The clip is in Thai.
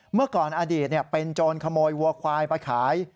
เมื่อก่อนอดีตเป็นโจรขโมยวัวควายไปขาย